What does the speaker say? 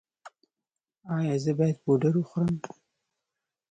ایا زه باید پوډر وخورم؟